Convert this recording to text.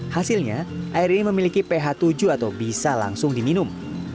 hasilnya air ini memiliki ph tujuh atau bisa langsung diminum